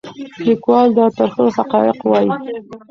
لیکوال دا ترخه حقایق وایي.